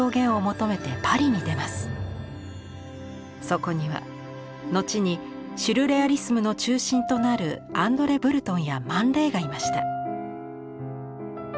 そこには後にシュルレアリスムの中心となるアンドレ・ブルトンやマン・レイがいました。